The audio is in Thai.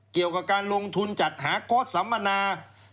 เกี่ยวกับการลงทุนจัดหาโค้ดสสัมมนา